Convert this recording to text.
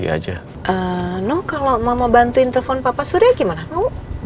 aku tuh mau bantuin telepon papa surya gimana kamu